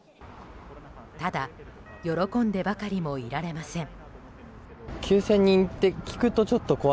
ただ喜んでばかりもいられません。